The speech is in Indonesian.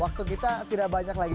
waktu kita tidak banyak lagi